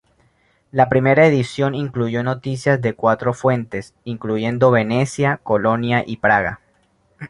La primera edición incluyó noticias de cuatro fuentes, incluyendo Venecia, Colonia y Praga.